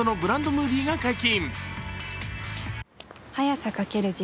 ムービーが解禁。